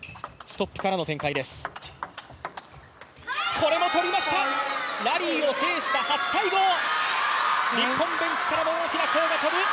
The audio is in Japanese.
これも取りました、ラリーを制した日本ベンチからも大きな声が飛ぶ。